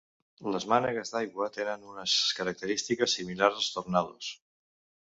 Les mànegues d'aigua tenen unes característiques similars als tornados.